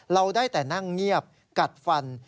เราได้แต่นั่งเงียบกัดฟัน